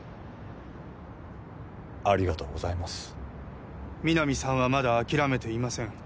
ありがとうございます皆実さんはまだ諦めていません